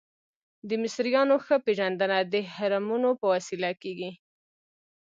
د مصریانو ښه پیژندنه د هرمونو په وسیله کیږي.